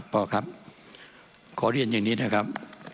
พ่อครับขอเรียนอย่างนี้นะครับ